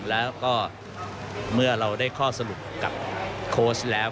แล้วก็เมื่อเราได้ข้อสรุปกับโค้ชแล้ว